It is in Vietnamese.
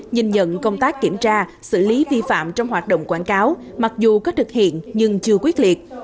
nhìn nhận công tác kiểm tra xử lý vi phạm trong hoạt động quảng cáo mặc dù có thực hiện nhưng chưa quyết liệt